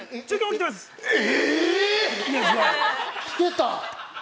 ◆来てた！